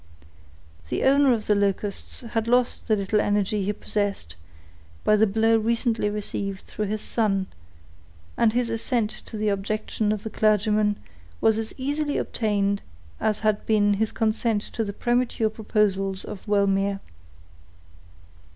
The owner of the Locusts had lost the little energy he possessed, by the blow recently received through his son, and his assent to the objection of the clergyman was as easily obtained as had been his consent to the premature proposals of Wellmere.